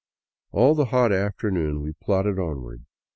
All the hot afternoon we plodded onward.